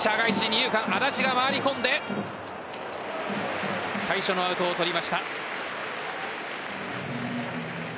二遊間、安達が回り込んで最初のアウトを取りました。